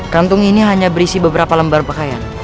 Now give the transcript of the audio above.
kantung ini hanya berisi beberapa lembar pakaian